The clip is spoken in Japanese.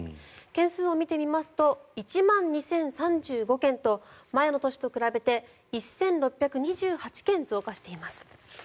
件数を見てみますと１万２０３５件と前の年と比べて１６２８件増加しています。